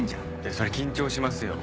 そりゃ緊張しますよ